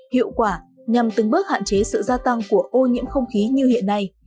hiệu quả nhằm từng bước hạn chế sự gia tăng của ô nhiễm không khí như hiện nay